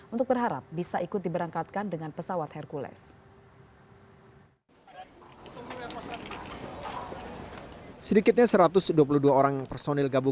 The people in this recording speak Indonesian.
untuk berharap bisa ikut diberangkatkan dengan pesawat hercules